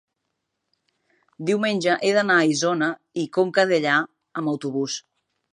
diumenge he d'anar a Isona i Conca Dellà amb autobús.